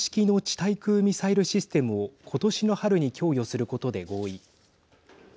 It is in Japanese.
対空ミサイルシステムを今年の春に供与することで合意。